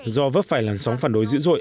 do vấp phải làn sóng phản đối dữ dội